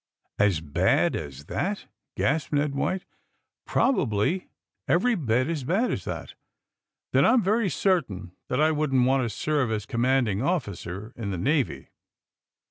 *'As bad as tbatf gasped Ned White. *' Probably every bit as bad as that." ^'Then I'm very certain tliat I wouldn't want to serve as commanding officer in the Navy!"